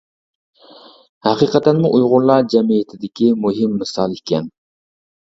ھەقىقەتەنمۇ ئۇيغۇرلار جەمئىيىتىدىكى مۇھىم مىسال ئىكەن.